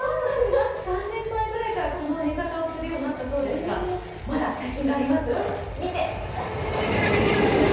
３年前くらいからこの寝方をするようになったそうですが、まだ写真があります。